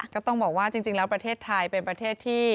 ก็ต้องบอกว่าจริงแล้วประเทศไทยเป็นประเทศที่